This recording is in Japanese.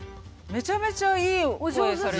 めちゃめちゃいいお声されてるし。